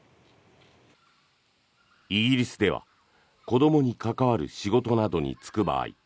イギリスでは子どもに関わる仕事などに就く場合